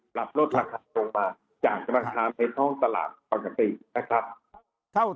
ปรับลดราคาลงมาจากธนาคารในท้องตลาดปกตินะครับ